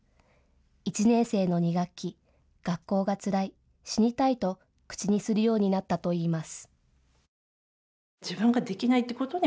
１年生の２学期、学校がつらい、死にたいと口にするようになったといいます。